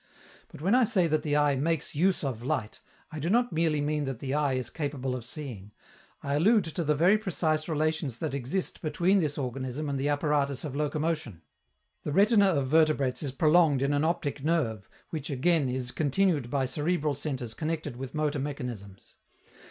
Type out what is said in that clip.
But when I say that the eye "makes use of" light, I do not merely mean that the eye is capable of seeing; I allude to the very precise relations that exist between this organ and the apparatus of locomotion. The retina of vertebrates is prolonged in an optic nerve, which, again, is continued by cerebral centres connected with motor mechanisms.